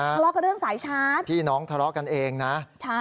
ทะเลาะกับเรื่องสายชาร์จพี่น้องทะเลาะกันเองนะ